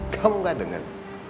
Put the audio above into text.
kamu gak denger